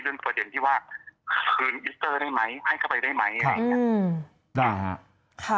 เรื่องประเด็นที่ว่าคืนอิสเตอร์ได้ไหมให้เข้าไปได้ไหม